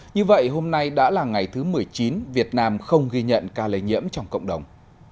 như vậy hôm nay đã là ngày thứ một mươi chín việt nam không ghi nhận ca lây nhiễm trong cộng đồng